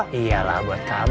dadah nggak g karne